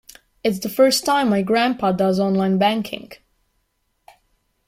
It's the first time my grandpa does online banking.